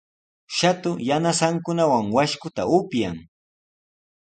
Shatu yanasankunawan washkuta upyan.